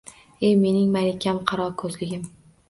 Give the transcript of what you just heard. Ey mening malikam, qaro ko`zligim